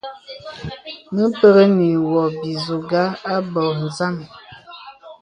Mə pəkŋì wɔ bìzùghā abɔ̄ɔ̄ zàm.